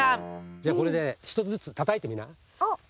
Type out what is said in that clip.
じゃこれで１つずつたたいてみな。